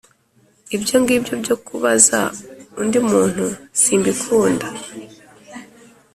Ibyo ngibyo byo kubaza undi muntu simbukunda